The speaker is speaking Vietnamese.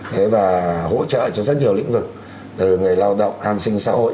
thế và hỗ trợ cho rất nhiều lĩnh vực từ người lao động an sinh xã hội